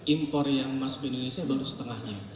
impor yang masuk ke indonesia baru setengahnya